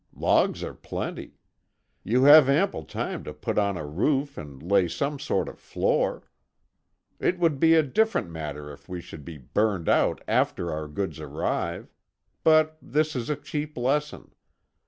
Logs are plenty. You have ample time to put on a roof and lay some sort of floor. It would be a different matter if we should be burned out after our goods arrive; but this is a cheap lesson.